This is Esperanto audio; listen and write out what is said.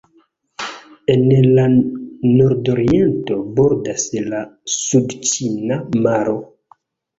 En la nordoriento bordas la sudĉina maro.